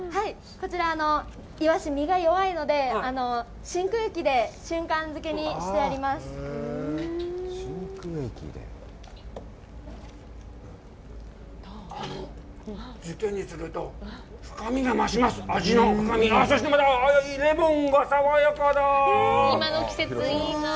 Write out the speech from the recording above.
こちら、イワシ、身が弱いので、真空で瞬間漬けにしてあります。